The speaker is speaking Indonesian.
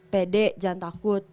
pede jangan takut